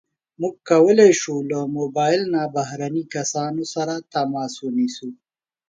موږ کولی شو له موبایل نه بهرني کسان سره تماس ونیسو.